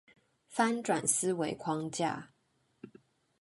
翻轉思維框架